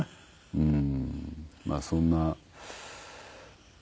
うん。